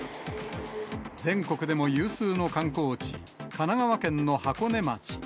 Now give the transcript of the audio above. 全国でも有数の観光地、神奈川県の箱根町。